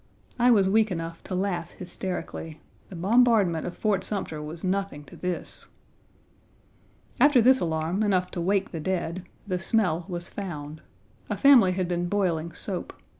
I was weak enough to laugh hysterically. The bombardment of Fort Sumter was nothing to this. After this alarm, enough to wake the dead, the smell was found. A family had been boiling soap.